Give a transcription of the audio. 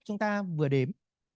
chúng ta vừa đếm